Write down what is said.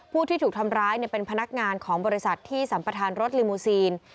ผู้ที่ถูกทำร้ายเป็นพนักงานของบริษัทที่สัมประธานรถลิมูซีน